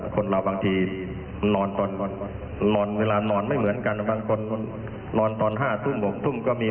คนเราบางทีนอนเวลานอนไม่เหมือนกันบางคนนอนตอน๕ทุ่ม๖ทุ่มก็มี